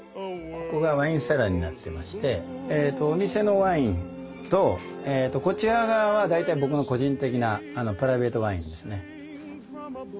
ここがワインセラーになってましてお店のワインとこちら側は大体僕の個人的なプライベートワインですね。